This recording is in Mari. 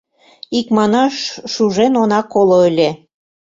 Икманаш, шужен она коло ыле.